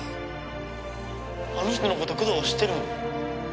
あの人のこと九堂は知ってるの？